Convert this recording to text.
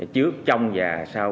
trước trong và sau